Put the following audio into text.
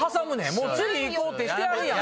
もう次行こうとしてはるやん。